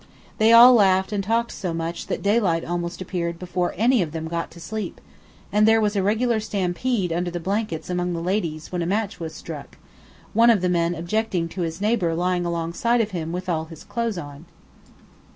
They all laughed and talked so much that daylight almost appeared before any of them got to sleep, and there was a regular stampede under the blankets among the ladies when a match was struck, one of the men objecting to his neighbour lying alongside of him with all his clothes on.